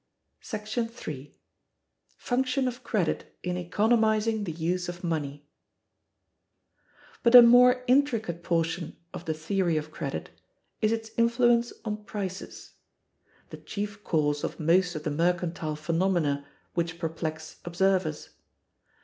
§ 3. Function of Credit in economizing the use of Money. But a more intricate portion of the theory of Credit is its influence on prices; the chief cause of most of the mercantile phenomena which perplex observers.